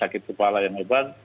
kepala yang hebat